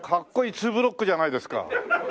ツーブロックじゃないですか。